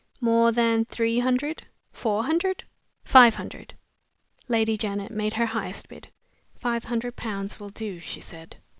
"More than three hundred? Four hundred? Five hundred?" Lady Janet made her highest bid. "Five hundred pounds will do," she said.